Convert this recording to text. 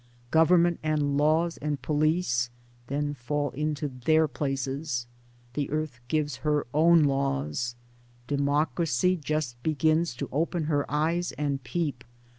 ] Government and laws and police then fall into their places — the earth gives her own laws ; Democracy just begins to open her eyes and peep